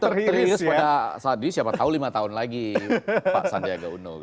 terus pada saat ini siapa tahu lima tahun lagi pak sandiaga uno